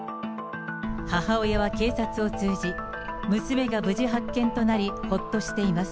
母親は警察を通じ、娘が無事発見となりほっとしています。